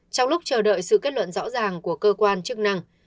trong lúc chờ đợi sự kết luận rõ ràng của cơ quan chức năng